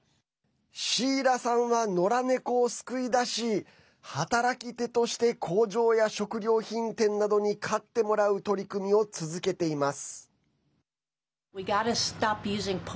シーラさんは、のら猫を救い出し働き手として工場や食料品店などに飼ってもらう取り組みを続けています。